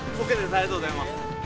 ありがとうございます。